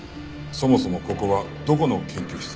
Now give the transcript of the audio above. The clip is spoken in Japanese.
そもそもここはどこの研究室だ？